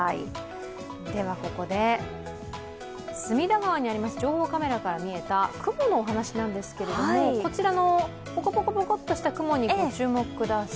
では隅田川にありま情報カメラから見えた雲のお話なんですけどこちらのポコポコとした雲にご注目ください。